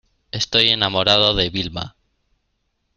estoy enamorado de Vilma.